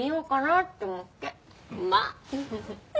まあ！